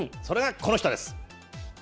それがこの人です。